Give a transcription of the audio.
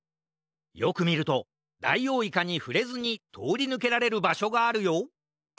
よくみるとダイオウイカにふれずにとおりぬけられるばしょがあるよ！